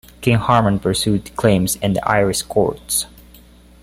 King-Harman pursued the claim in the Irish courts.